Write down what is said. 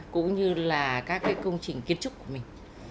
cũng như là các cái công trình kiến trúc của mình